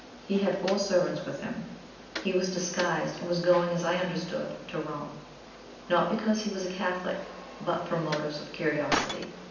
He had four servants with him, he was disguised, and was going, as I understood, to Rome, not because he was a Catholic, but from motives of curiosity.